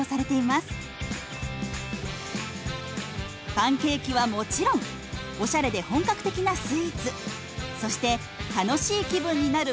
パンケーキはもちろんおしゃれで本格的なスイーツそして楽しい気分になる